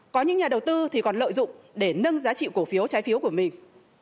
có những nhà đầu tư thì còn lợi dụng để nâng giá trị cổ phiếu trái phiếu của mình